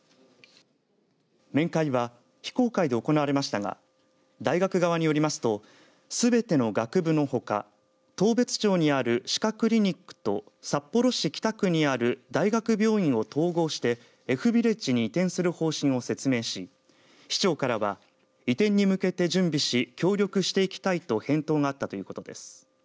面会は非公開で行われましたが大学側によりますとすべての学部のほか当別町にある歯科クリニックと札幌市北区にある大学病院を統合してＦビレッジに移転する方針を説明し市長からは移転に向けて準備し協力していきたいと返答があったということです。